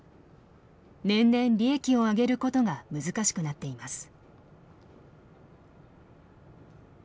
年々利益を上げることが難しくなっています。